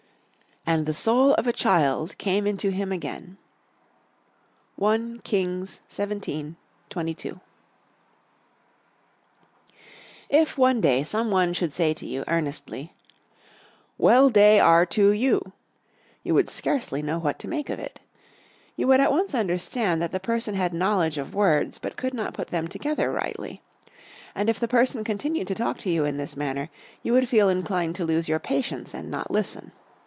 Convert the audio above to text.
"And the soul of a child came into him again." I Kings, XVII: 22. If, one day, some one should say to you, earnestly: "Well day are to you!" you would scarcely know what to make of it. You would at once understand that the person had knowledge of words but could not put them together rightly. And if the person continued to talk to you in this manner you might feel inclined to lose your patience and not listen.